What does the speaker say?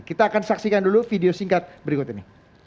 kita akan saksikan dulu video singkat berikut ini